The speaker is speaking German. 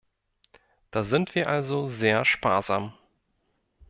Da sind wir also sehr sparsam.